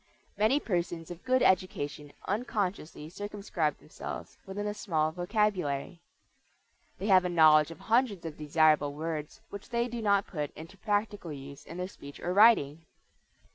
Many persons of good education unconsciously circumscribe themselves within a small vocabulary. They have a knowledge of hundreds of desirable words which they do not put into practical use in their speech or writing.